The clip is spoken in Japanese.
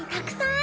あ。